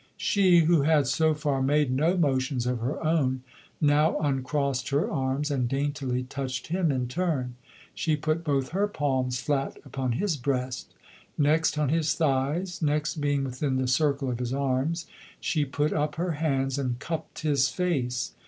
She, who had so far made no motions of her own, now uncrossed her arms and daintily touched him in turn. She put both her palms flat upon his breast; next on his thighs, next, being within the circle of his arms, she put up her hands and cupped his face.